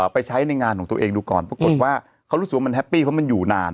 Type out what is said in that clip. ไปใช้ในงานของตัวเองดูก่อนปรากฏว่าเขารู้สึกว่ามันแฮปปี้เพราะมันอยู่นาน